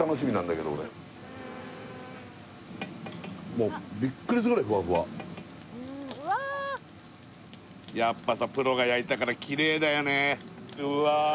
もうビックリするぐらいふわふわやっぱさプロが焼いたからキレイだよねうわ